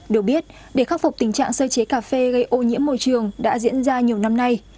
được biết để khắc phục tình trạng sơ chế cà phê gây ô nhiễm môi trường đã diễn ra nhiều năm nay